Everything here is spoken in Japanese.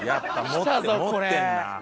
きたぞこれ！